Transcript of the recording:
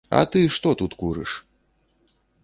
А ты што тут курыш?